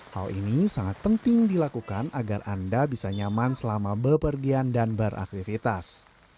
hal ini sangat penting dilakukan agar anda bisa nyaman selama bepergian dan beraktivitas